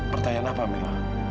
pertanyaan apa mila